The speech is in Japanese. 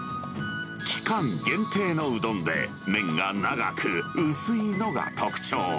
期間限定のうどんで、麺が長く、薄いのが特徴。